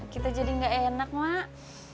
kita jadi nggak enak mak